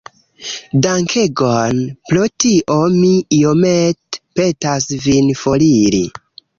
Dankegon. Pro tio mi iomete petas vin foriri.